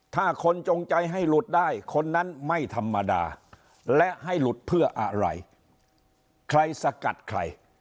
ถ้าคนจงใจให้หลุดได้คนนั้นไม่ธรรมดาและให้หลุดเพื่ออะไรใครสกัดใคร